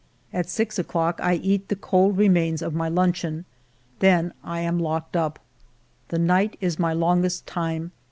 At six o'clock I eat the cold remains of my luncheon. Then I am locked up. The night is my longest time.